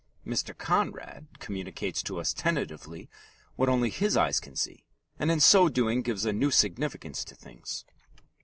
Mr. Conrad communicates to us tentatively what only his eyes can see, and in so doing gives a new significance to things.